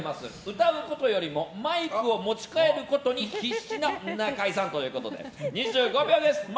歌うことよりもマイクを持ち変えることに必死な中居さんということで２５秒です。